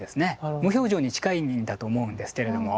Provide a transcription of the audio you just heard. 無表情に近いんだと思うんですけれども。